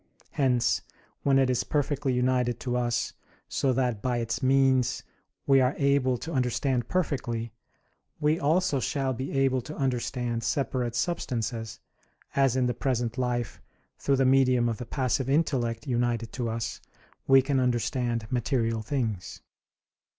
Hence, when it is perfectly united to us so that by its means we are able to understand perfectly, we also shall be able to understand separate substances, as in the present life through the medium of the passive intellect united to us, we can understand material things.